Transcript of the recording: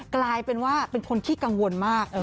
กลายเป็นว่าเป็นคนขี้กังวลมาก